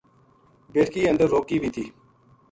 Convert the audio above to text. بیٹکی اندر روکی وی تھی۔